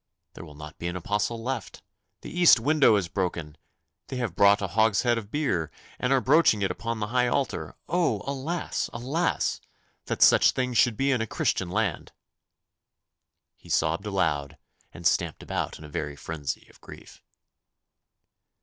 There will not be an apostle left. The east window is broken. They have brought a hogshead of beer, and are broaching it upon the high altar. Oh, alas, alas! That such things should be in a Christian land!' He sobbed aloud and stamped about in a very frenzy of grief.